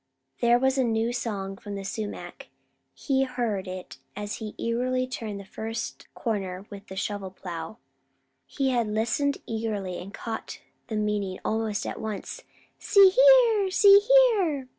There was a new song from the sumac. He had heard it as he turned the first corner with the shovel plow. He had listened eagerly, and had caught the meaning almost at once "See here! See here!"